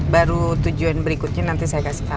baru tujuan berikutnya nanti saya kasih tau ya